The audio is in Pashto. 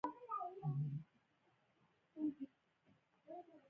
الهیاتي مبحثونه لا پاخه شي.